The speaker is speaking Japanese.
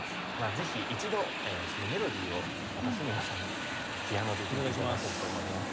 ぜひ一度そのメロディーをまた角野さんにピアノで弾いて頂こうと思います。